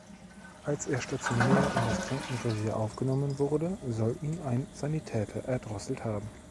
Als er stationär in das Krankenrevier aufgenommen wurde, soll ihn ein Sanitäter erdrosselt haben.